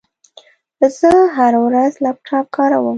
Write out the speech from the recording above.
زه هره ورځ لپټاپ کاروم.